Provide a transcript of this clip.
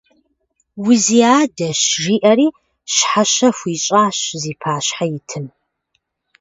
Узиадэщ, – жиӀэри щхьэщэ хуищӀащ зи пащхьэ итым.